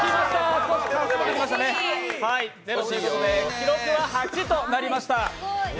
記録は８となりました。